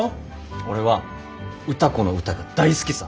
俺は歌子の唄が大好きさ。